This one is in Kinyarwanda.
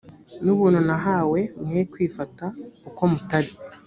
n ubuntu nahawe mwe kwifata uko mutari